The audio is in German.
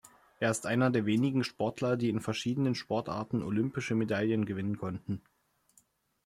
Er ist einer der wenigen Sportler, die in verschiedenen Sportarten olympische Medaillen gewinnen konnten.